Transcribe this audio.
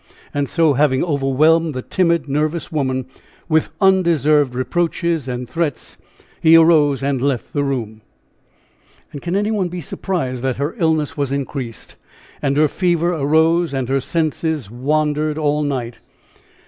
And so having overwhelmed the timid, nervous woman with undeserved reproaches and threats, he arose and left the room. And can any one be surprised that her illness was increased, and her fever arose and her senses wandered all night?